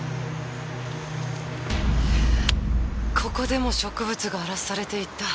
ここでも植物が荒らされていた。